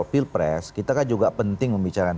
pilpres kita kan juga penting membicarakan